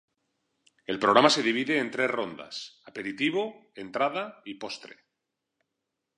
El programa se divide en tres rondas: "Aperitivo", "Entrada", y "Postre".